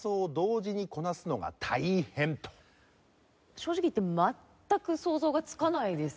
正直言って全く想像がつかないです。